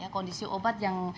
kondisi obat yang